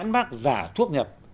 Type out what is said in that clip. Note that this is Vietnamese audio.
nhãn mác giả thuốc nhập